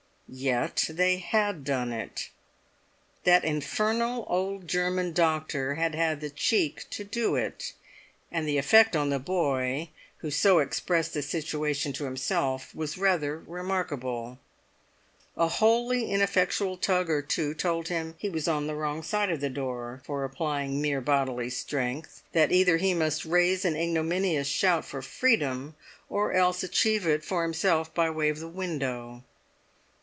Yet they had done it; that infernal old German doctor had had the cheek to do it; and the effect on the boy, who so expressed the situation to himself, was rather remarkable. A wholly ineffectual tug or two told him he was on the wrong side of the door for applying mere bodily strength, that either he must raise an ignominious shout for freedom or else achieve it for himself by way of the window.